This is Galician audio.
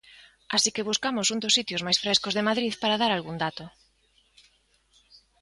Así que buscamos un dos sitios máis frescos de Madrid para dar algún dato.